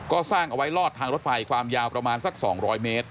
ก็สร้างเอาไว้ลอดทางรถไฟความยาวประมาณสัก๒๐๐เมตร